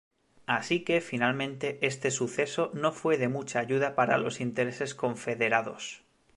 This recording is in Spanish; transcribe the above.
Así que finalmente este suceso no fue de mucha ayuda para los intereses confederados.